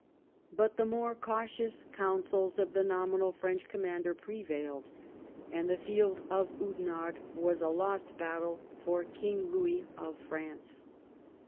But the more cau tious counsels of the nominal French conmiander pre vailed, and the field of Oudenarde was a lost battle for King Louis of France.